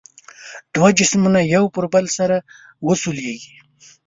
دوه جسمونه یو پر بل سره وسولیږي.